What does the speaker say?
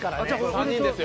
３人ですよ！